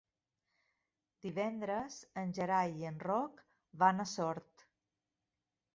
Divendres en Gerai i en Roc van a Sort.